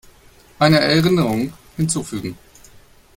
Eine Erinnerung hinzufügen.